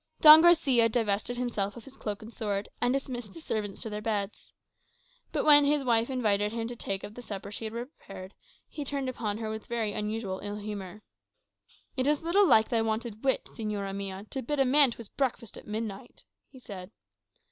Don Garçia divested himself of his cloak and sword, and dismissed the servants to their beds. But when his wife invited him to partake of the supper she had prepared, he turned upon her with very unusual ill humour. "It is little like thy wonted wit, señora mia, to bid a man to his breakfast at midnight," he said.